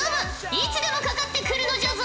いつでもかかってくるのじゃぞ。